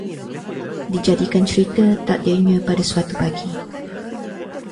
Dijadikan cerita, takdirnya pada suatu pagi